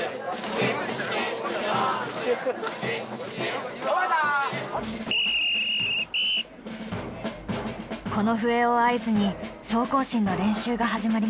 この笛を合図に総行進の練習が始まりました。